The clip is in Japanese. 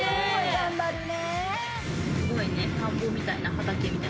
頑張るね。